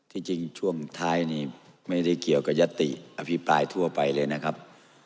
จริงช่วงท้ายนี้ไม่ได้เกี่ยวกับยติอภิปรายทั่วไปเลยนะครับ